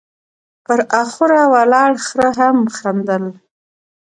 ، پر اخوره ولاړ خره هم خندل،